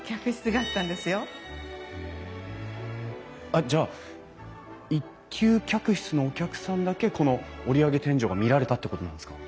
あっじゃあ１級客室のお客さんだけこの折り上げ天井が見られたってことなんですか？